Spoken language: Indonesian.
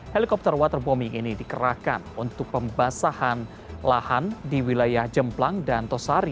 helikopter waterbombing ini dikerahkan untuk pembasahan lahan di wilayah jemplang dan tosari